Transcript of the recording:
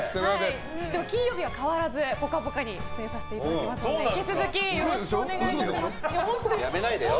でも金曜日は変わらず「ぽかぽか」に出演させていただきますので引き続き辞めないでよ。